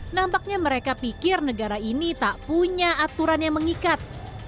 nampaknya mereka pikir negara ini tak punya aturan yang mengikat